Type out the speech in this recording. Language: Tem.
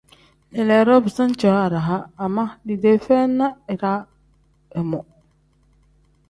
Leleedo bisaani cooo araha ama liidee feyi na iraa imu.